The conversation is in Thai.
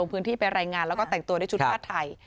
เป็นรายงานแล้วก็แต่งตัวได้ชุดผ้าไทย